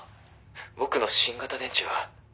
「僕の新型電池は」